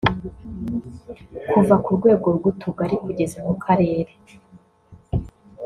Kuva ku rwego rw’utugari kugeza ku Karere